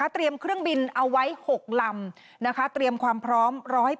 เตรียมเครื่องบินเอาไว้๖ลำเตรียมความพร้อม๑๐๐